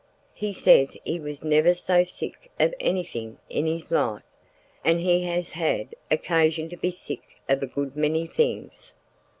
He says he was never so sick of anything in his life, and he has had occasion to be sick of a good many things.